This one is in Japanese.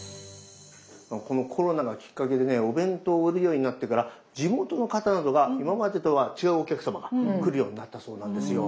このコロナがきっかけでねお弁当を売るようになってから地元の方などが今までとは違うお客様が来るようになったそうなんですよ。